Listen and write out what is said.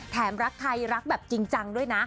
รักใครรักแบบจริงจังด้วยนะ